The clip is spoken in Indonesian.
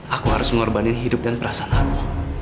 aku harus mengorbanin hidup dan perasaan aku